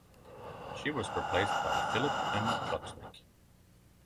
She was replaced by Philip M. Klutznick.